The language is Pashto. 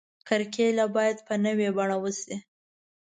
کرکیله باید په نوې بڼه وشي.